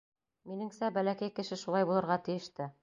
Минеңсә, бәләкәй кеше шулай булырға тейеш тә.